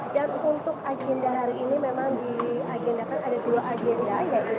dan untuk agenda hari ini memang diagendakan ada dua agenda yaitu